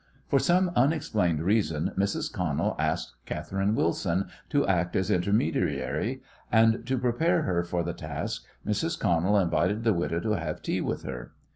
For some unexplained reason Mrs. Connell asked Catherine Wilson to act as intermediary, and to prepare her for the task Mrs. Connell invited the widow to have tea with her.